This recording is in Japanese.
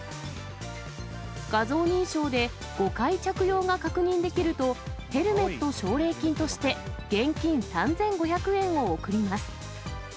画像認証で５回着用が確認できると、ヘルメット奨励金として、現金３５００円を贈ります。